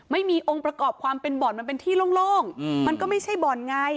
ไม่มีองค์ประกอบความเป็นบ่อนมันเป็นที่โล่งมันก็ไม่ใช่บ่อนไง